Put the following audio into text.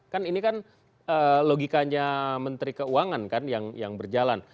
kan ini kan logikanya menteri keuangan kan yang berjalan